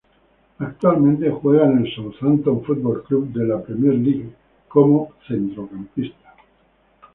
Actualmente juega en el Southampton Football Club de la Premier League como centrocampista.